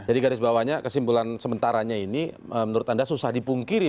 jadi garis bawahnya kesimpulan sementaranya ini menurut anda susah dipungkiri